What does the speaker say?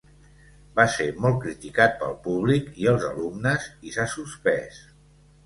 Va ser molt criticat pel públic i els alumnes i s'ha suspès.